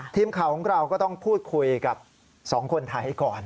ทีมข่าวของเราก็ต้องพูดคุยกับ๒คนไทยก่อน